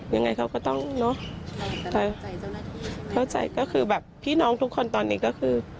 ยังไงเค้าก็ต้องเนาะแต่เค้าใจก็คือแบบพี่น้องทุกคนตอนนี้ก็คือ